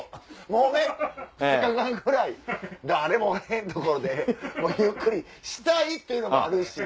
もうね２日間ぐらい誰もおれへん所でもうゆっくりしたいっていうのもあるし。